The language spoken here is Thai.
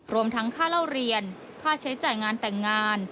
รวมทั้งค่าเล่าเรียนค่าใช้จ่ายงานแต่งงาน